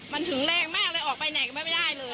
มันถึงแรงมากเลยออกไปไหนก็ไม่ได้เลย